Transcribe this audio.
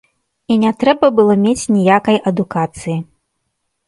І не трэба было мець ніякай адукацыі.